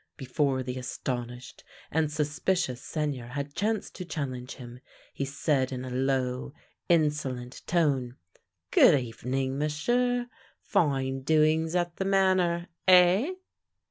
Before the astonished and suspicious Seigneur had chance to challenge him, he said in a low, insolent tone: " Good evening, M'sieu' ! Fine doings at the manor —eh?"